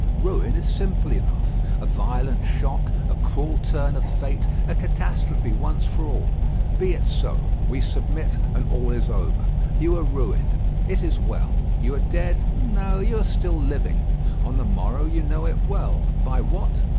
Ruin is simple enough. A violent shock; a cruel turn of fate; a catastrophe once for all. Be it so. We submit, and all is over. You are ruined: it is well; you are dead? No; you are still living. On the morrow you know it well. By what?